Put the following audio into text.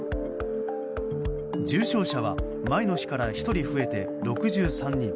重症者は前の日から１人増えて６３人。